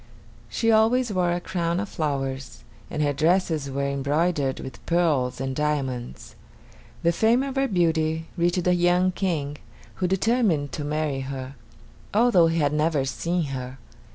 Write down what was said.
She always wore a crown of flowers, and her dresses were embroidered with pearls and diamonds. The fame of her beauty reached a young King, who determined to marry her, although he had never seen her.